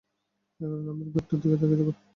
এগার নম্বর বেডটার দিকে তাকিয়ে দেখুন।